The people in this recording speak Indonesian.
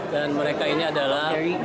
dan mereka ini adalah